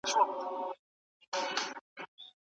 لوبې د ملي یووالي لپاره اغېزمنې دي.